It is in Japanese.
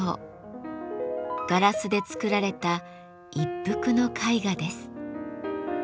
ガラスで作られた一幅の絵画です。